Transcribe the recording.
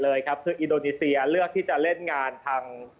เลยครับคืออินโดนีเซียเลือกที่จะเล่นงานทาง